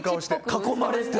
囲まれて。